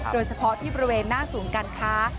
โดยเฉพาะที่บริเวณหน้าศูนย์การค้า